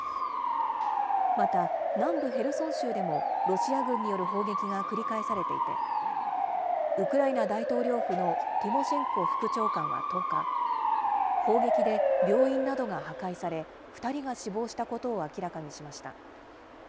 また、南部ヘルソン州でも、ロシア軍による砲撃が繰り返されていて、ウクライナ大統領府のティモシェンコ副長官は１０日、砲撃で病院などが破壊され、２人が死亡したことを明らかにしました。